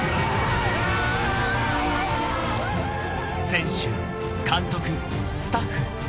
［選手監督スタッフ］